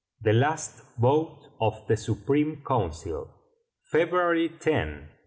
The Last Vote of the Supreme Council, February 10, 1820.